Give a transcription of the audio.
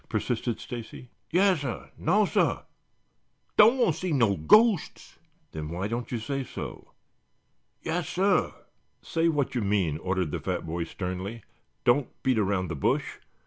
persisted Stacy. "Yassir. Nassir. Doan' want see no ghosts." "Then why don't you say so?" "Yassir." "Say what you mean," ordered the fat boy sternly. "Don't beat around the bush.